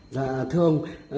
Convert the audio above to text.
dạ thưa ông